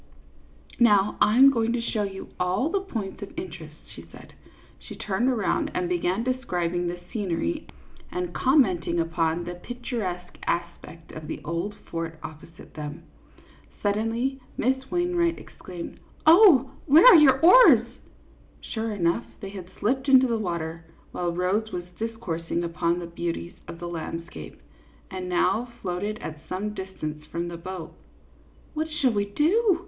" Now I am going to show you all the points of interest," she said. She turned around and began describing the scenery and commenting upon the picturesque aspect of the old fort opposite them. Suddenly Miss Wainwright exclaimed :" Oh, where are your oars ?" Sure enough, they had slipped into the water, while Rose was discoursing upon the beauties of the landscape, and now floated at some distance from the boat. " What shall we do